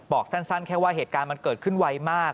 บอกสั้นแค่ว่าเหตุการณ์มันเกิดขึ้นไวมาก